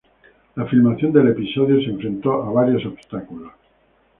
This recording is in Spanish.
La filmación del episodio se enfrentó a varios obstáculos.